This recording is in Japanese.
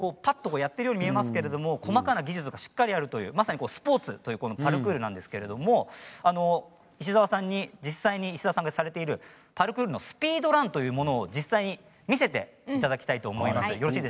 こういうふうに一見ぱっとやっているように見えますけれど細かな技術がしっかりやれるというスポーツというパルクールなんですが石沢さんが実際にされているパルクールのスピードランというものを実際に見せていただきたいと思います。